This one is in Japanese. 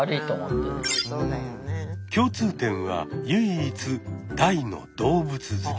共通点は唯一「大の動物好き」。